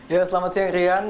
ya selamat siang rian